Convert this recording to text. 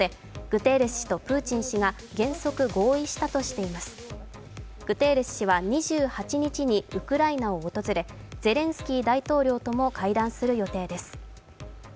グテーレス氏は２８日にウクライナを訪れ、ゼレンスキー大統領とも会談する予定です。